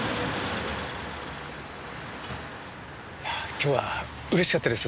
今日はうれしかったです。